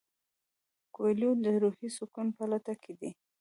کویلیو د روحي سکون په لټه کې دی.